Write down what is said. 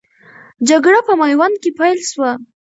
جګړه په میوند کې پیل سوه.